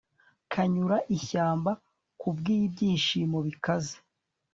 kangura ishyamba kubwibyishimo bikaze